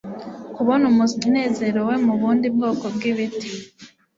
Kubona umunezero we mubundi bwoko bwibiti